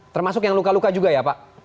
termasuk yang luka luka juga ya pak